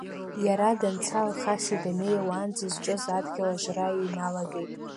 Иара данца, Алхаси Димеи уаанӡа изҿыз, адгьыл ажра иналагеит.